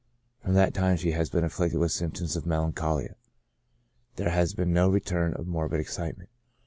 From that time she has been afflicted with symptoms of melancholia j there has been no return of morbid excitement.